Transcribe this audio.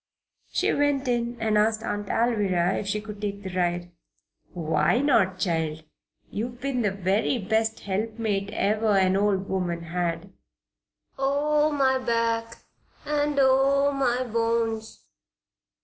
She went in and asked Aunt Alvirah if she could take the ride. "Why not, child? You've been the very best helpmate ever an old woman had Oh, my back and oh, my bones!